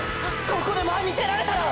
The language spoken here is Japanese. ここで前に出られたら！！